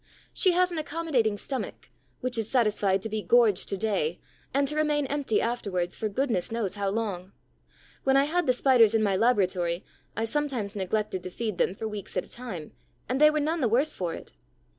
She has an accommodating stomach, which is satisfied to be gorged to day and to remain empty afterwards for goodness knows how long. When I had the Spiders in my laboratory, I sometimes neglected to feed them for weeks at a time, and they were none the worse for it.